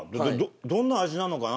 どんな味なのかな？」